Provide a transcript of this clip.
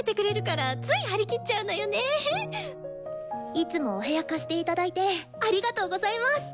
いつもお部屋貸していただいてありがとうございます。